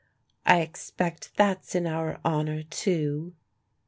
"I expect that's in our honour too."